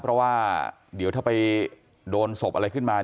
เพราะว่าเดี๋ยวถ้าไปโดนศพอะไรขึ้นมา